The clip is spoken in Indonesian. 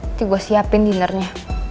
nanti gue siapin dinernya